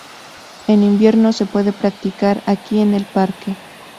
En invierno, se puede practicar esquí en el parque.